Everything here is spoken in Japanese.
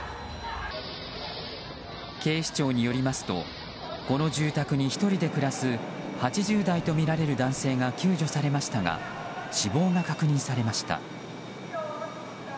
警視庁によりますとこの住宅に１人で暮らす８０代とみられる男性が救助されましたが死亡が確認されました。